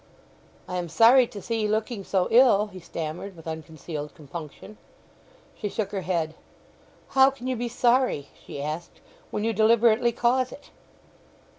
"I am sorry to see 'ee looking so ill," he stammered with unconcealed compunction. She shook her head. "How can you be sorry," she asked, "when you deliberately cause it?"